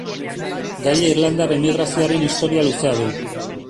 Gaia irlandar emigrazioaren historia luzea du.